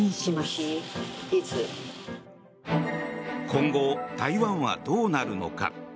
今後、台湾はどうなるのか。